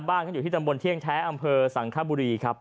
บ้านเขาอยู่ที่ตำบลเที่ยงแท้อำเภอสังคบุรี